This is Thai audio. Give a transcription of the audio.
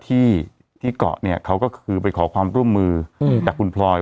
ที่ที่เกาะเนี่ยเขาก็คือไปขอความร่วมมือจากคุณพลอย